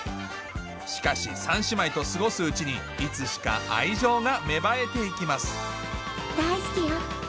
しかし３姉妹と過ごすうちにいつしか愛情が芽生えていきます大好きよ。